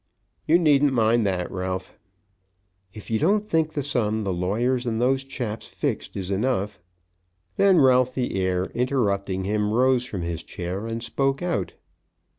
"You needn't mind that, Ralph." "If you don't think the sum the lawyers and those chaps fixed is enough, " Then Ralph the heir, interrupting him, rose from his chair and spoke out.